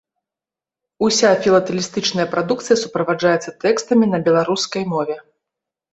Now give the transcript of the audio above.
Уся філатэлістычная прадукцыя суправаджаецца тэкстамі на беларускай мове.